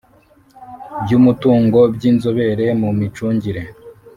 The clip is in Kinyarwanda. by umutungo by inzobere mu micungire